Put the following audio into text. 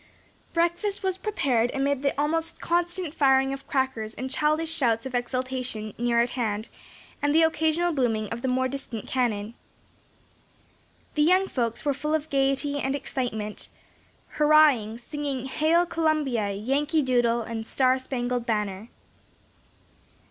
Breakfast was prepared amid the almost constant firing of crackers and childish shouts of exultation, near at hand, and the occasional booming of the more distant cannon. The young folks were full of gayety and excitement, hurrahing, singing "Hail Columbia!" "Yankee Doodle," and "Star spangled Banner."